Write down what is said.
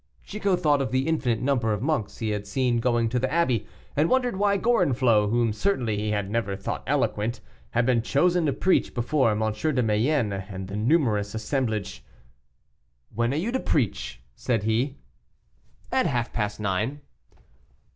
Chicot thought of the infinite number of monks he had seen going to the abbey, and wondered why Gorenflot, whom certainly he had never thought eloquent, had been chosen to preach before M. de Mayenne and the numerous assemblage. "When are you to preach?" said he. "At half past nine."